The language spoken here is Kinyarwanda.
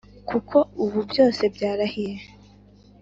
kuko ubu byose byarahire